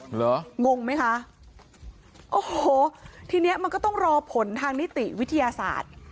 เหรองงไหมคะโอ้โหทีเนี้ยมันก็ต้องรอผลทางนิติวิทยาศาสตร์